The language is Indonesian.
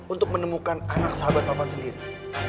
untuk menemukan anak sahabat papa sendiri